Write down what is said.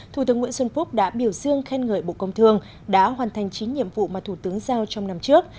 thủ tướng nguyễn xuân phúc đã biểu dương khen ngợi bộ công thương đã hoàn thành chín nhiệm vụ mà thủ tướng giao trong năm trước